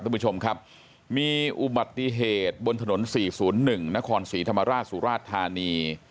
ท่านผู้ชมครับมีอุบัติเหตุบนถนน๔๐๑นครศรีธรรมราชสุราชธานี